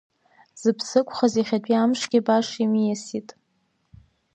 Зыԥсы ықәхаз иахьатәи амшгьы баша имиасит!